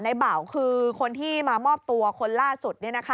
เบาคือคนที่มามอบตัวคนล่าสุด